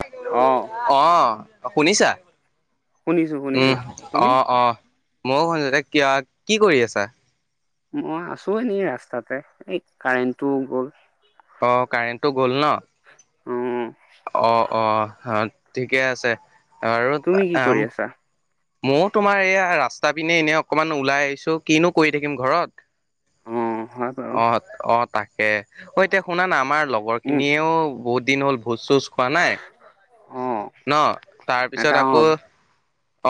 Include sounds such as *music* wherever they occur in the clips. Hello, অঁ অ', শুনিছা? শুনিছো শুনিছো উম', তুমি অ', অ', মইয়ো শুনিছোঁ এতিয়া, কিয়, কি কৰি আছা? মই আছোঁ এনে ৰাস্তাতে, এই কাৰেণ্টটোও গ'ল। অ', কাৰেণ্টটো গ'ল ন? অঁ অ', অ', হ ঠিকে আছে আৰু তুমি কি কাম কৰি আছা ময়ো তোমাৰ এয়া, ৰাস্তাৰ পিনে এনেই অকণমান ওলাই আহিছোঁ, কিনো কৰি থাকিম ঘৰত। অঁ হয় বাৰু অ', অ' তাকে অ' এতিয়া শুনা না আমাৰ ল উম খিনিয়েও বহুত দিন হ'ল ভোজ-চোজ খোৱা নাই। অঁ ন এটা তাৰপিছত অঁ আকৌ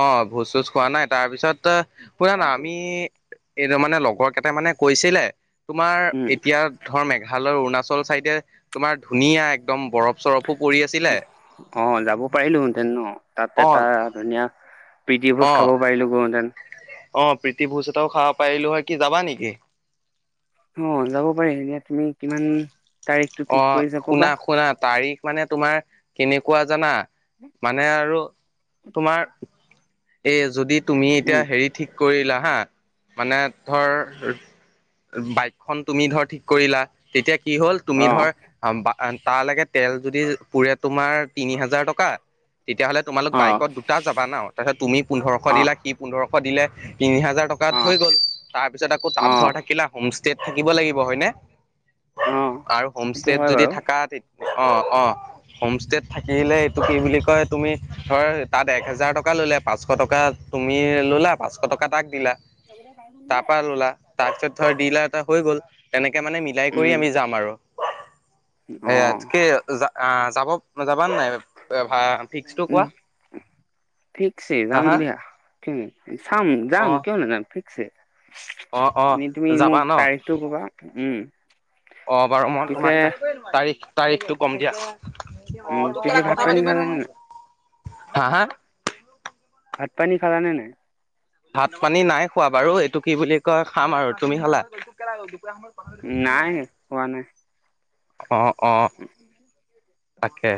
অ', ভোজ-চোজ খোৱা নাই, তাৰপিছতে শুনা না আমি কেইতাৰ মানে লগৰ কেইটা মানে কৈছিলে, তোমাৰ উম এতিয়া ধৰ, মেঘালয় অৰুণাচল চাইডে তোমাৰ ধুনীয়া একদম বৰফ চৰফো পৰি আছিলে অ', যাব পাৰিলো হেতেন ন? তাত অ এটা ধুনীয়া প্ৰিতি ভোজ খাব পাৰিলো গৈ হেঁতেন। অ', প্ৰীতি ভোজ এটাও খাব পাৰিলো হয়, কি যাবা নেকি? অ', যাব পাৰি এতিয়া তুমি কিমান তাৰিখটো ঠিক অ', কৰিছা ক'বা শুনা, শুনা তাৰিখ মানে তোমাৰ, কেনেকুৱা জানা, মানে আৰু, তোমাৰ এইয়া যদি তুমি এতিয়া উম হেৰি ঠিক কৰিলা হা, মানে, ধৰ বাইকখন তুমি ধৰ থিক কৰিলা, তেতিয়া কি হ'ল তুমি অঁ ধৰ আমি বা তাল লৈকে তেল যদি, পুৰে তোমাৰ, তিনি হাজাৰ টকা, তেতিয়াহ'লে তোমালোক অঁ বাইকত দুটা যাবা ন? তাৰপিছত তুমি পোন্ধৰশ অঁ দিলা, সি পোন্ধৰশ দিলে, তিনি হাজাৰ টক কাত অঁ হৈ গ'ল। তাৰ পিছত আকৌ তাঁত অঁ ধৰ থাকিলা, হোম ষ্টেত থাকিব লাগিব হয়নে? অঁ আৰু সেইটো হোমষ্টত হয় যদি বাৰু থাকা তে অ', অ', হোম ষ্টেত থাকিলে এইটো কি বুলি কয়, তুমি ধৰ তাত এক হেজাৰ টকা টকা ল'লা পাঁচশ টকা তুমি ল'লা, পাঁচশ টকা তাক দিলা, তাৰ পৰা ল'লা। তাৰপিছত ধৰ দি এটা হৈ গ'ল, তেনেকে মানে মিলাই কৰি উম আমি যাম আৰু। এয়া, কি, অঁ যাব আ, যাবাে- যাবা নাই এ, ভা ফিক্সটো কোৱা। ফিক্সয়ে হা যাম হা দিয়া, *unintelligible* চাম অ যাম, কিয় নাযাম, যাম ফিক্সয়ে। অ অ এনেই তুমি মোক যাবা ন তাৰিখটো ক'বা, উম। অ', বাৰু মই পিছে তোমাক তাৰিখ- তাৰিখটো কম দিয়া। উম পিছে ভাত পানী খালানে নাই? *unintelligible* হা, হা। ভাত-পানী খালানে নাই? ভাত-পানী নাই খোৱা বাৰু, এইটো কি বুলি কয় খাম আৰু তুমি খালা? নাই, খোৱা নাই। অ', অ'। উম। তাকে।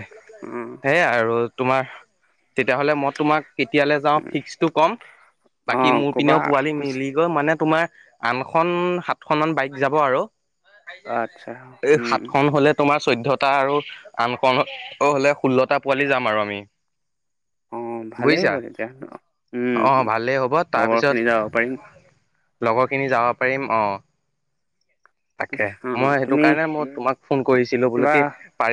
উম। সেয়া আৰু তোমাৰ তেতিয়াহ'লে মত তোমাক কেতিয়ালে যাওঁ ফিক্সটো কম, বাকী অ', মোৰ কবা পিনেও পোৱালি পিছে। মিলি মানে তোমাৰ আনখন, সাতখন মান বাইক যাব আৰু। আচ্ছা এই উম সাত খন হ'লে তোমাৰ চৈধ্যয়টা আৰু আন খন হ'লে ষোল্লটা পোৱালি যাম আৰু আমি। অ'। অ' ভালেই বুজিছা হ'ব তেতিয়া। উ, অ ভালেই হ'ব লগৰখিনি যাব পাৰিম। লগৰখিনি যাব পাৰিম অ'। তাকে অ', মই সেইটো তুমি কাৰণে মই তোমাক ফোন কৰিছিলোঁ বোলো কিবা কি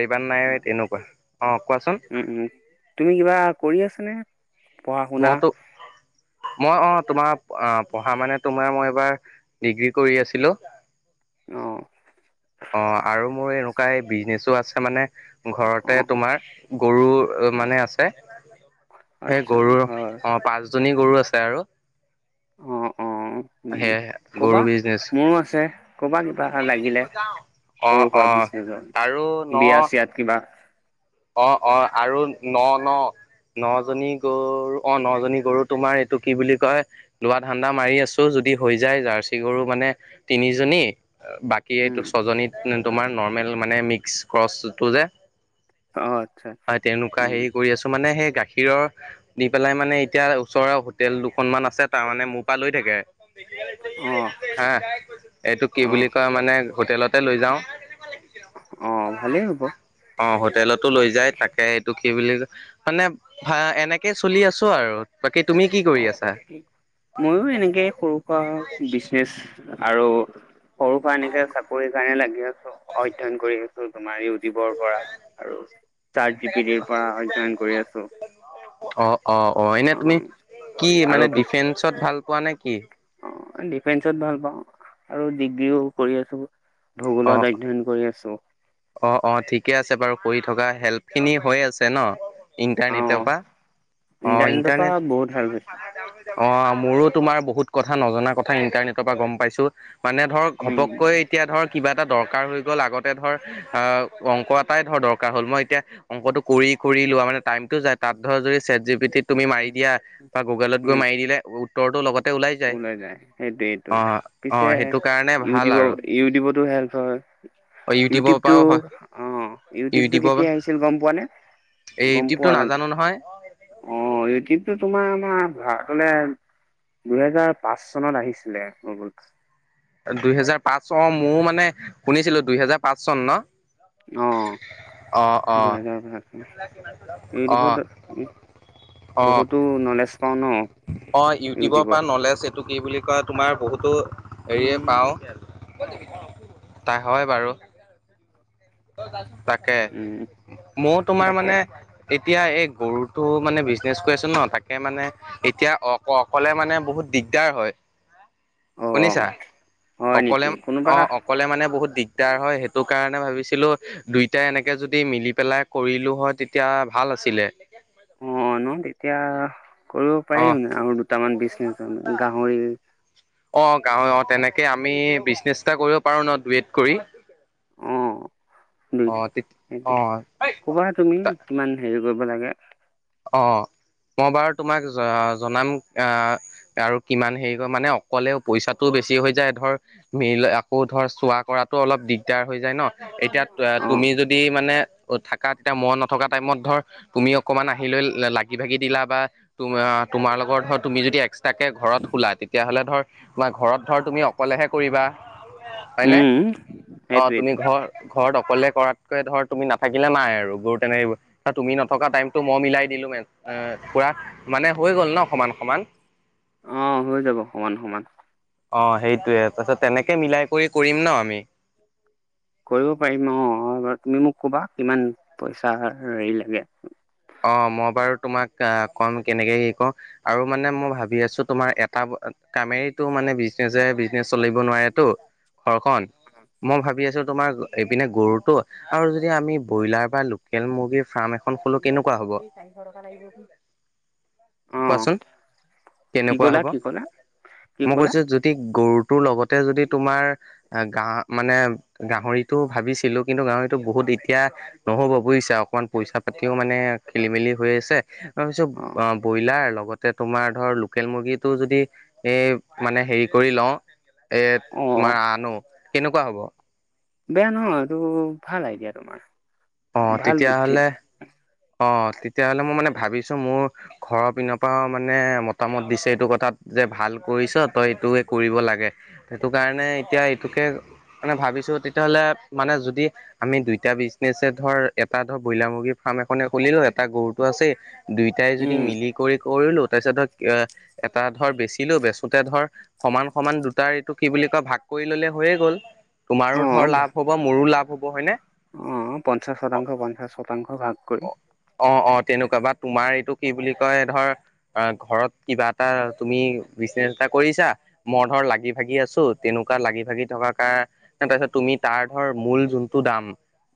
*unintelligible* নাই তেনেকুৱা। অ' কোৱাচোন। উম, উম, তুমি কিবা কৰি আছানে? পঢ়া শুনা? মইটো মই অ' তোমাৰ পঢ়া মানে তোমাৰ মই এইবাৰ ডিগ্ৰী কৰি আছিলোঁ। অ'। অ' আৰু মোৰ এনেকুৱা এই বিজনেচো আছে মানে ঘৰতে অ', তোমাৰ গৰু অ', মানে আছে। সেই আচ্ছা গৰুৰ, হয়। অ' পাঁচজনী গৰু আছে আৰু। অ', অ' উ, সেয়ে গৰু ক'বা বিজনেচ মোৰো আছে। ক'বা কিবা লাগিলে অ সৰু অ সুৰা বিজনেচৰ, আৰু ন বিয়া চিয়াত কিবা। অ', অ' আৰু ন' ন'। নজনী গৰু অ' নজনী গৰু তোমাৰ এইটো কি বুলি কয় লোৱা ধান্দা মাৰি আছোঁ যদি হৈ যায় জাৰ্চি গৰু মানে তিনিজনী বাক কি উম, এইটো ছজনীত তোমাৰ নৰ্মেল মানে মিক্স ক্ৰছটো যে অ' আচ্ছা। হয় তেনেকুৱা উম, হেৰি কৰি আছোঁ, মানে সেই গাখীৰৰ দি পেলাই মানে এতিয়া ওচৰৰ হোটেল দুখনমান আছে তাৰ মানে মোৰ পৰা লৈ থাকে। অ', হে, এইটো কি অ', বুলি কয় মানে হোটেলতে লৈ যাওঁ। অ' ভালেই হ'ব। অ' হোটেলত টো লৈ যায় তাকে এইটো কি বুলি, মানে ভা এনেকে চলি আছোঁ আৰু। বাকি তুমি কি কৰি অ', আছা? ময়ো এনেকে সৰু সুৰা বিজনেচ আৰু সৰু সুৰা এনেকে চাকৰিৰ কাৰণে লাগি আছোঁ, অধ্যয়ন কৰি আছোঁ তোমাৰ এই জীৱৰ পৰা আৰু চাৰ্ট জি পি টিৰ পৰা অধ্যয়ন কৰি আছোঁ। অ', অ', অ' এনে তুমি কি আৰু মানে পিছে ডিফেন্সত ভাল পোৱা নে কি? অ' ডিফেন্সত ভাল পাওঁ আৰু ডিগ্ৰীও কৰি আছোঁ। অ ভূগোলত অধ্যয়ন কৰি আছোঁ। অ', অ' ঠিকে আছে বাৰু কৰি থকা, হেল্পখিনি হৈ আছে ন' ইণ্টাৰনেট অ' টৰপা অ' ইণ্টাৰনেটৰ পৰা ইণ্টাৰনেট বহুত হেল্প হৈছে। অ' মোৰো তোমাৰ বহুত কথা নজনা কথা ইণ্টাৰনেটৰ পৰা গম পাইছোঁ। মানে ধৰ উম, ঘপককৈ এতিয়া ধৰ কিবা এটা দৰকাৰ হৈ গ'ল আগতে ধৰ আহ, অংক এটাই ধৰ দৰকাৰ হ'ল মই এতিয়া অংকটো কৰি কৰি লোৱা মানে টাইমটো যায় তাত ধৰ যদি চেট জি পি টিত তুমি মাৰি দিয়া বা গুগলত গৈ মাৰি দিলে উত্তৰটো লগত তে ওলাই যায় অ', অ' সেইটো কাৰণে ভাল ইউটিউবৰ আৰু। ইউটিউবতো হেল্প হয়। অঁ ইউটিউবৰ ইউটিউবটো পৰাও হয় অ' ইউটিউবটো ইউটিউবৰ পৰা কেতিয়া আহিছিল গম পোৱানে? এই ইউটিউবটো নাজানো নহয়। অ' ইউটিউবটো তোমাৰ আমাৰ ভাৰতলৈ দুহেজাৰ পাঁচ চনত আহিছিলে গোগোল। দুই হেজাৰ পাঁচ চন মোয়ো মানে শুনিছিলোঁ দুই হেজাৰ পাঁচ চন ন'? অ' অ' অ' দুহেজাৰ পাঁচ চন। ইউটিউবত অ'। বহুতো নলেজ পাওঁ ন অ' ইউটিউবৰ পৰা নলেজ এইটো কি বুলি কয় তোমাৰ বহুতো হেৰিয়ে পাওঁ। তা হয় বাৰু। তাকে উম, মই তোমাৰ তাকে মানে এতিয়া এই গৰুটো মানে বিজনেছ কৰি আছো ন' তাকে মানে এতিয়া অক অকলে মানে বহুত দিগদাৰ হয়। অ', শুনিছা? হয় অকলে নেকি অ কোনোবা অকলে অকলে মানে বহুত দিগদাৰ হয় সেইটো কাৰণে ভাবিছোঁ ছিলো দুইটাই এনেকে যদি মিলি পেলাই কৰিলো হয় তেতিয়া ভাল আছিলে। অ', ন' তেতিয়া কৰিব অ পাৰি মানে আৰু দুটামান বিজনেছ মানে গাহৰি। অ' গাঁৱতে তেনেকে আমি বিজনেছ এটা কৰিব পাৰো ন' দোয়েট কৰি? অ তে দুইটাই অ কবা তুমি কিমান হেৰি কৰিব লাগে। অ' মই বাৰু তোমাক জনাম আহ আৰু কিমান হেৰি কৰে মানে অকলেও পইচাটোও বেছি হৈ যায় ধৰ মিল আকৌ ধৰ চোৱা কৰাতো অলপ দিগদাৰ হৈ যায় ন। এতিয়া অ', তুমি যদি মানে থাকা তেতিয়া মই নথকা টাইমত ধৰ তুমি অকমান আহি আহি লৈ লাগি ভাগি বা তোমাৰ লগত তুমি যদি তাকে ঘৰত হোলা তেতিয়া হ'লে ধৰ তোমাৰ ঘৰত ধৰ তুমি অকলেহে কৰিবা। হয় নে? উম, অ' তুমি সেইটোৱেইটো ঘৰ ঘৰত অকলে কৰাতকৈ ধৰ তুমি নাথাকিলে নাই আৰু গৰু তেনেক‌ থাকিব তুমি নথকা টাইম টো মই মিলাই দিলো পুৰা মানে হৈ গ'ল ন' সমান সমান। অ' হৈ যাব সমান সমান। অ' সেইটোয়ে তাৰপিছত তেনেকে মিলাই কৰি কৰিম ন' আমি। কৰিব পাৰিম অ' এবাৰ তুমি মোক কবা কিমান পইচাৰ হেৰি লাগে। অ, ' মই বাৰু তোমাক ক'ম কেনেকে হেৰি কৰো। আৰু মানে মই ভাবি আছোঁ তোমাৰ এটা কামেৰেতো মানে বিজনেছে বিজনেছ চলিব নোৱাৰে টো। ঘৰখন মই ভাবি আছোঁ তোমাৰ এইপিনে গৰুতটো আৰু যদি আমি ব্ৰইলাৰ বা লোকেল মুৰ্গীৰ ফাৰ্ম এখন খোলো কেনেকুৱা হ'ব? চাৰিশ টকা লাগিব। অ', কোৱাচোন কি কেনেকুৱা ক'লা হ'ব? কি ক'লা কি মই ক'লা কৈছো যদি গৰুটোৰ লগতে যদি তোমাৰ গা মানে গাহৰিতটো ভাবিছিলোঁ কিন্তু গাহৰিতটো বহুত এতিয়া নহ'ব বুজিছা অকমান পইচা পাতিও মানে খেলি মেলি হৈ আছে মই ভাবিছো অ', ব্ৰইলাৰ লগতে তোমাৰ ধৰ লোকেল মুৰ্গীটো যদি এ, 'মানে হেৰি কৰি লওঁ এ অ', তোমাৰ আনো কেনেকুৱা হব? বেয়া নহয় এইটো ভাল আইডিয়া তোমাৰ। অ, ' ভাল বুদ্ধি তেতিয়াহলে অ, 'তেতিয়াহ'লে মই মানে ভাবিছো মোৰ ঘৰৰ পিনৰ পৰা মানে মতামত দিছে এইটো কথাত যে, তই ভাল কৰিছ তই এইটো কৰিব লাগে। সেইটো কাৰণে এতিয়া এইটোকে মানে ভাবিছো তেতিয়া হ'লে মানে যদি আমি দুইটা বিজনেছে ধৰ এটা ধৰ ব্ৰইলাৰ মুৰ্গীৰ ফাৰ্ম এখন এখন খুলিলো হৈ এটা গৰুটো আছে দুইটাই যদি উম মিলি কৰি কৰিলো তাৰপিছত ধৰক এটা ধৰ বেচিলেও বেচোতে ধৰ সমান-সমান দুটাৰ এইটো কি বুলি কয় ভাগ কৰি ললে হৈয়ে গ'ল। অ তোমাৰো ধৰ ভা- লাভ হ'ব, মোৰো লাভ হ'ব, হয়নে? অ পঞ্চাশ শতাংশ, পঞ্চাশ শতাংশ ভাগ কৰি অ অ তেনেকুৱা বা তোমাৰ এইটো কি বুলি কয় ধৰ অ ঘৰত কিবা এটা তুমি বিজনেছ এটা কৰিছা মই ধৰ লাগি-ভাগি আছো, তেনেকুৱা লাগি ভাগি থকা কাৰ তাৰপিছত তুমি তাৰ ধৰ মূল যোনটো দাম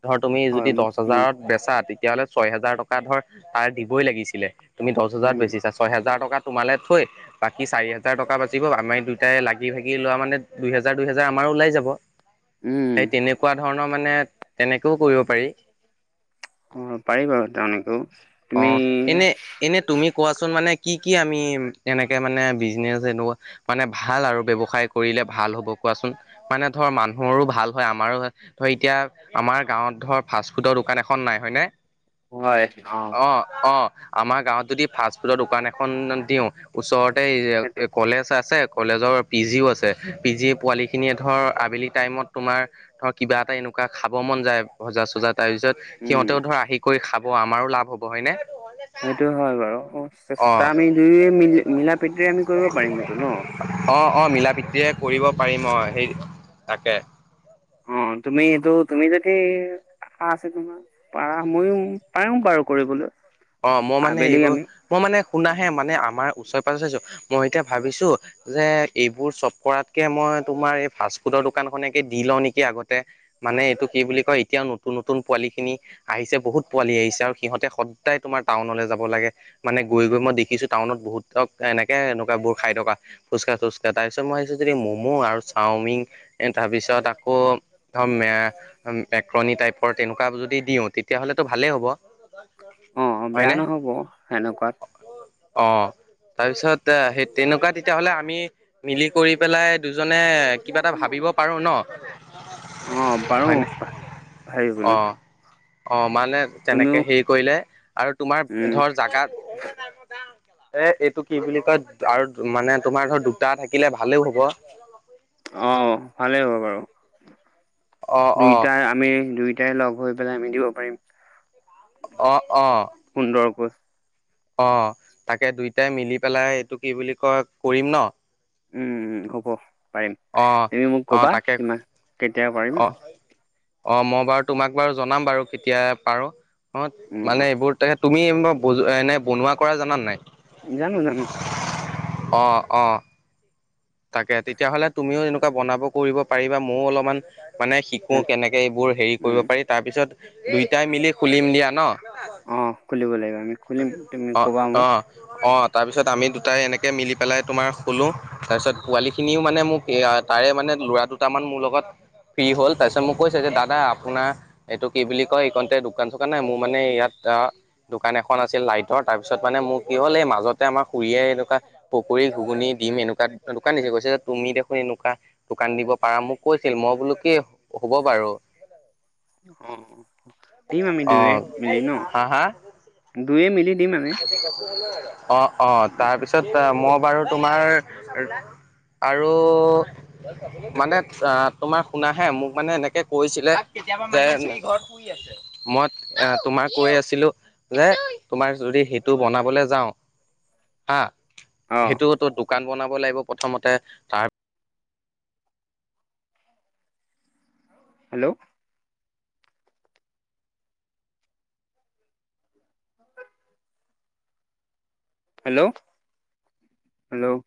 ধৰ তুমি হয় যদি দহ মোৰ হাজাৰত বেচা তেতিয়া হ'লে, ছয় হোজাৰ টকা ধৰ তাৰ দিবই লাগিছিলে। তুমি দহ হাজাৰ উম বেছিচা, ছয় হোজাৰ টকা তোমালৈ থৈ বাকী চাৰি হাজাৰ বাচিব আমাৰ তাই লাগি-ভাগি লোৱা মানে দুইহেজাৰ দুইহেজাৰ আমাৰো ওলাই যাব। উম সেই তেনেকুৱা ধৰণৰ মানে তেনেকেও কৰিব পাৰি। অ পাৰি বাৰু তেনেকেও। অ তুমি এনে এনে তুমি কোৱাচোন মানে কি কি আমি এনেকে মানে বিজনেছ এনেকুৱা মানে ভাল আৰু ব্যৱসায় কৰিলে ভাল হ'ব কোৱাচোন? মানে ধৰ মানুহৰো ভাল হয় আমাৰো হয়। ধৰ এতিয়া, আমাৰ গাঁৱত ধৰ ফাষ্টফুডৰ দোকান এখন নাই, হয়নে? হয়। অ অ আমাৰ গাঁৱত যদি ফাষ্ট-ফুডৰ দোকান এখন দিওঁ ওচৰত তেই সেইটো কলেজ আছে কলেজৰ পিজী ও আছে, পিজী পোৱালিখিনিয়ে ধৰ আবেলি টাইমত তোমাৰ ধৰ কিবা এটা এনেকুৱা খাব মন যায় ভজা-চজা তাৰ পিছত। উম সিহঁতেও ধৰ আহি কৰি খাব আমাৰো লাভ হ'ব হয়নে? সেইটো হয় বাৰু অ অচেষ্টা আমি দুয় মিল মিলা প্ৰীতিৰে আমি কৰিব পাৰিম সেইটো ন। অ অ মিলা প্ৰীতিৰে কৰিব পাৰিম অ সেই তাকে অ তুমিটো তুমি যতি আশা আছে তোমাৰ পাৰ, ময়ো পাৰো বাৰু কৰিবলৈ। অ মই মানে আবেলি এইবোৰ আমি মই মানে শুনাহে মানে আমাৰ ওচৰে পাজৰে মই এতিয়া ভাবিছো যে এইবোৰ চব কৰাতকে মই তোমাৰ এই ফাষ্টফুডৰ দোকান খনেকে দি লওঁ নেকি আগতে? মানে এইটো কি বুলি কয় এতিয়া নতুন নতুন পোৱালি খিনি আহিছে বহুত পোৱালি আহিছে আৰু সিহঁতে সদ সদাই তোমাৰ টাউনলৈ যাব লাগে। মানে গৈ গৈ মই দেখিছো টাউনত বহুতক এনেকে এনেকুৱাবোৰ খাই থকা। ফুচকা-থুচকা তাৰ পিছত মই আহিছো যদি ম'ম' আৰু চাওমিন এ তাৰপিছত আকৌ ধ মক্ৰণী টাইপৰ তেনেকুৱা যদি দিওঁ তেতিয়াহ'লেতো ভালেই হ'ব। *unintelligible* অ অ বেয়া হয়নে নহ'ব সেনেকুৱাত। অ তাৰপিছত সেই তেনেকুৱা তেতিয়াহ'লে আমি মিলি কৰি পেলাই দুজনে কিবা এটা ভাব পাৰোঁ ন। অ পাৰে হয়নে? ভাবিবলৈ। অ', অ মানে তুমিও তেনেকে হেৰি কৰিলে আৰু তোমাৰ উম ধৰ জাগাত এ এইটো কি বুলি কয় আৰু মানে ধৰ দুটা থাকিলে ভালেও। অ ভালেই হ'ব বাৰু। অ', অ', দুইটাই আমি দুইটাই লগ হৈ পেলাই আমি দিব পাৰিম। অ অ। সুন্দৰ কৈ। অ', তাকে দুইটাই মিলি পেলাই এইটো কি বুলি কয় কৰিম ন'? উম, হ'ব পাৰিম, অ', তুমি মোক অ', ক'বা তাকে কেতিয়া পাৰিম। অ', অ', মই বাৰু তোমাক বাৰু জনাম বাৰু কেতিয়া পাৰো অ', উম অ মানে এইবোৰ তেখেত তুমি এনে বনোৱা কৰা জানা নে নাই? জানো জানো। অ', অ'। তাকে তেতিয়াহ'লে তুমিও এনেকুৱা বনাব কৰিব পাৰিবা ময়ও অলপমান মানে শি কো, ভাল কেনেকৈ এইবোৰ হেৰি উম কৰিব পাৰি তাৰপিছত দুইটাই মিলি খুলিম দিয়া ন'? অ', খুলিব লাগিব, আমি খুলিম তুমি অ', ক'বা মোক। অ', অ', তাৰপিছত আমি দুটাই এনেকে মিলি পেলাই তোমাৰ খুলোঁ, তাৰপিছত পোৱালি খিনিও মানে মোক এয়া তাৰে মানে ল'ৰা দুটামান মোৰ লগত ফ্ৰী হ'ল, তাৰপিছত মোক কৈছে যে দাদা আপোনাৰ এইটো কি বুলি কয়, এইকণতে দোকান-চোকান নাই মোৰ মানে ইয়াত আহ দোকান এখন লাইটৰ তাৰপিছত মানে মোৰ কি হ'ল এই মাজত তে আমাৰ খুৰীয়ে এনেকুৱা পকৰি, ঘুগুনি দিম এনেকুৱা দোকান দিছে, কৈছে যে তুমি দেখোন এনেকুৱা দোকান দিব পাৰা, মোক কৈছিল মই বোলো কি হ'ব বাৰু। অ দিম আমি অ', হা হা? দুইয়ে মিলি দিম আমি অ', অ', তাৰপিছত মই বাৰু তোমাৰ আৰু মানে অ', তোমাৰ শুনা হে, মোক মানে এনেকে কৈছিলে যে মই এ, তোমাৰ কৈ আছিলো যে তোমাৰ যদি হেটো বনাবলে যাওঁ, হা, অ হেটো দোকান বনাব লাগিব প্ৰথমতে, তাৰ হেল্ল'? Hello hello?